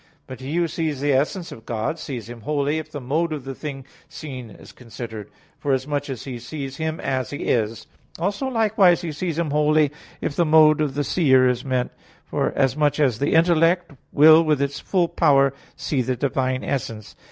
But he who sees the essence of God, sees Him wholly, if the mode of the thing seen is considered; forasmuch as he sees Him as He is; also, likewise, he sees Him wholly if the mode of the seer is meant, forasmuch as the intellect will with its full power see the Divine essence.